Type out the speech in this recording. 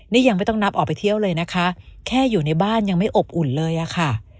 นี่ยังไม่ต้องนับออกไปเที่ยวเลยนะคะแค่อยู่ในบ้านยังไม่อบอุ่นเลยอะค่ะ